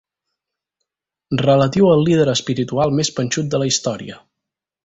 Relatiu al líder espiritual més panxut de la història.